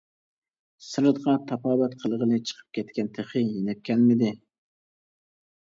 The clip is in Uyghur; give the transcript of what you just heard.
سىرتقا تاپاۋەت قىلغىلى چىقىپ كەتكەن، تېخى يېنىپ كەلمىدى.